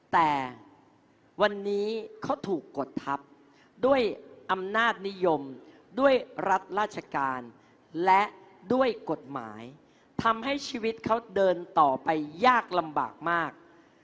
แต่วันนี้เขาถูกกดทับด้วยอำนาจนิยมด้วยรัฐราชการและด้วยกฎหมายทำให้ชีวิตเขาเดินต่อไปยากลำบากมาก